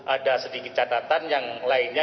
ada sedikit catatan yang lainnya